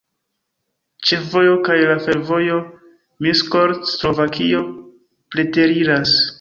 Ĉefvojo kaj la fervojo Miskolc-Slovakio preteriras.